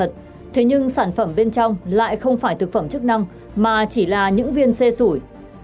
thế nhưng sản phẩm bên trong lại không phải thực phẩm chức năng mà chỉ là những viên xe sủi